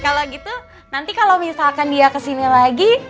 kalau gitu nanti kalau misalkan dia kesini lagi